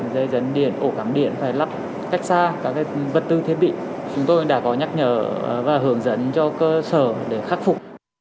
dây dẫn điện ổ cắm điện phải lắp cách xa các vật tư thiết bị chúng tôi đã có nhắc nhở và hướng dẫn cho cơ sở để khắc phục